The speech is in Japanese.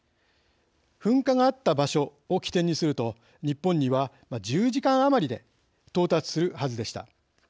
噴火があった場所を起点にすると日本には１０時間余りで到達するはずでした。